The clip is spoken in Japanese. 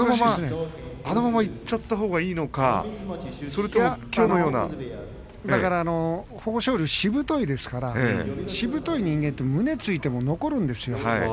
あのままいっちゃったほうがいいのか豊昇龍はしぶといですからしぶとい人間は胸を突いても残るんですよ。